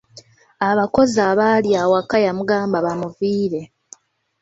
Abakozi abaali awaka yabagamba bamuviire.